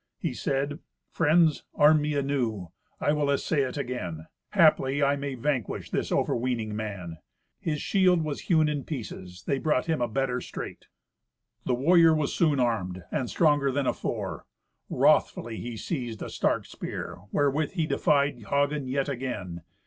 He said, "Friends, arm me anew. I will essay it again. Haply I may vanquish this overweening man." His shield was hewn in pieces; they brought him a better straight. The warrior was soon armed, and stronger than afore. Wrothfully he seized a stark spear, wherewith he defied Hagen yet again.